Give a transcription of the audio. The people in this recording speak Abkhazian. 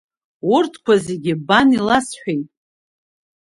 Урҭқәа зегьы бан иласҳәеит…